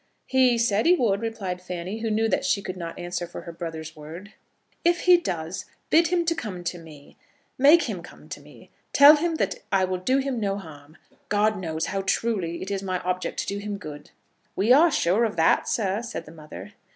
"He said he would," replied Fanny, who knew that she could not answer for her brother's word. "If he does, bid him come to me. Make him come to me! Tell him that I will do him no harm. God knows how truly it is my object to do him good." "We are sure of that, sir," said the mother.